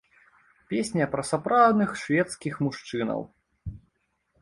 Песня пра сапраўдных шведскіх мужчынаў.